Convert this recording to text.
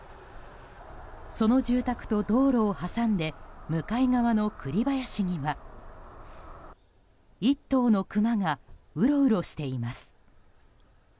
その住宅と道路を挟んで向かい側の栗林には１頭のクマがうろうろしています。